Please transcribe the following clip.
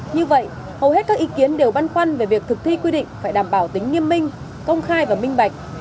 như vậy hầu hết các ý kiến đều băn khoăn về việc thực thi quy định phải đảm bảo tính nghiêm minh công khai và minh bạch